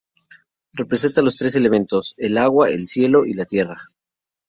Representa los tres elementos: el agua, el cielo y la tierra.